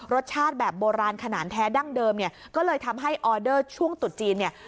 รสชาติแบบโบราณขนาดแท้ดั้งเดิมเนี่ยก็เลยทำให้ออเดอร์ช่วงตุดจีนเนี่ย